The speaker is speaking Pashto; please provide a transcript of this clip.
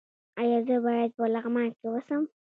ایا زه باید په لغمان کې اوسم؟